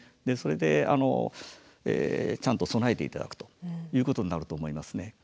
でそれでちゃんと備えて頂くということになると思いますね。